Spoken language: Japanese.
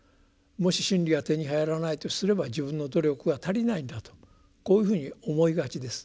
もし真理が手に入らないとすれば自分の努力が足りないんだとこういうふうに思いがちです。